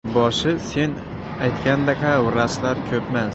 — Avvalboshi sen aytgandaqa vrachlar ko‘pmas.